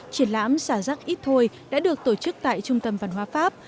triển lãm xả rác ít thôi đã được tổ chức tại trung tâm văn hóa pháp